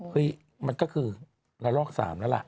มันก็คือละลอก๓แล้วล่ะ